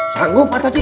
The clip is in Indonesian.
sanggup atau tidak